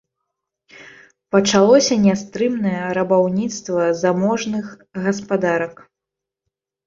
Пачалося нястрымнае рабаўніцтва заможных гаспадарак.